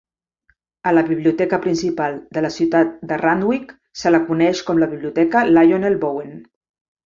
A la biblioteca principal de la ciutat de Randwick se la coneix com la Biblioteca Lionel Bowen.